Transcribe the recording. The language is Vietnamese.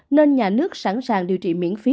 nên nhà nước sẵn sàng điều trị miễn phí